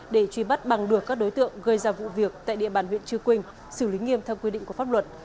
để truy bắt bằng được các đối tượng gây ra vụ việc tại địa bàn huyện chư quynh xử lý nghiêm theo quy định của pháp luật